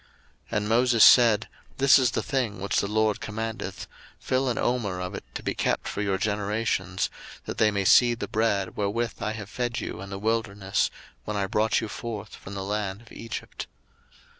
02:016:032 And Moses said, This is the thing which the LORD commandeth, Fill an omer of it to be kept for your generations; that they may see the bread wherewith I have fed you in the wilderness, when I brought you forth from the land of Egypt.